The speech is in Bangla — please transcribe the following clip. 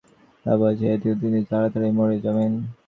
রোগীকে আর একবার জাগাতে পারলে লাভ হবে এইটুকু যে তিনি তাড়াতাড়ি মরে যাবেন।